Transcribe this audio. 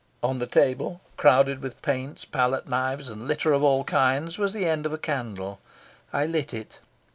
On the table, crowded with paints, palette knives, and litter of all kinds, was the end of a candle. I lit it.